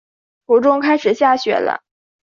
途中开始下雪了